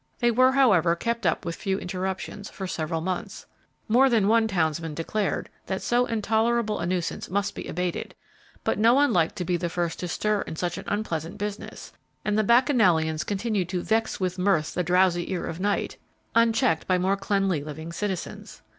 They were, however, kept up with few interruptions, for several months. More than one townsman declared that so intolerable a nuisance must be abated, but no one liked to be the first to stir in such an unpleasant business, and the bacchanalians continued to "vex with mirth the drowsy ear of night," unchecked by more cleanly living citizens.